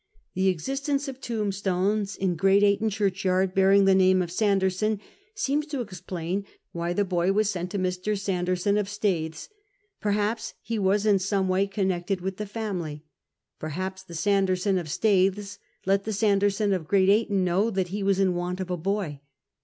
The existence of tombstones iii Great Ayton 6 CAPTAIN COON, OHAP. churchyard bearing the name of Sanderson seems to ex plain why the boy was sent to Mr. Sanderson of Staithes. Perhaps he was in some way connected with the family. Perhaps the Sanderson of Staithes let the Sanderson of Great Ayton know that he was in want of a boy.